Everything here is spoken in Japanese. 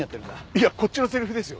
いやこっちのセリフですよ。